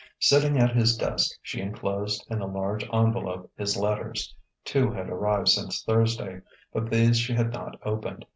Sitting at his desk, she enclosed in a large envelope his letters. Two had arrived since Thursday; but these she had not opened.